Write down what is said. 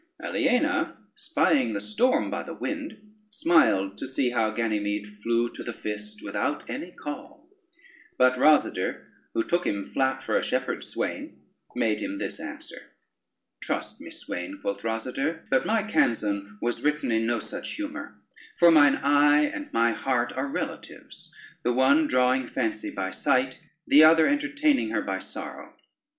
Aliena, spying the storm by the wind, smiled to see how Ganymede flew to the fist without any call; but Rosader, who took him flat for a shepherd's swain, made him this answer: [Footnote 1: wild.] "Trust me, swain," quoth Rosader, "but my canzon was written in no such humor; for mine eye and my heart are relatives, the one drawing fancy by sight, the other entertaining her by sorrow.